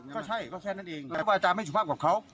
ก็ใช่ก็แค่นั้นเองแต่ว่าอาจารย์ไม่สุภาพกับเขา